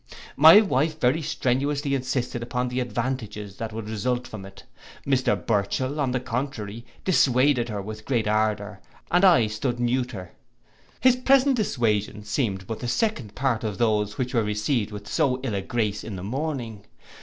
My wife very strenuously insisted upon the advantages that would result from it. Mr Burchell, on the contrary, dissuaded her with great ardor, and I stood neuter. His present dissuasions seemed but the second part of those which were received with so ill a grace in the morning.